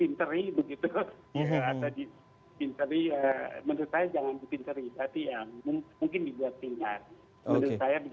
menurut saya begitu mas